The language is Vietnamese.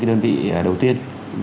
đơn vị đầu tiên